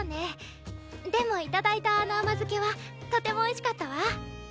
でも頂いたあの甘漬けはとてもおいしかったわ。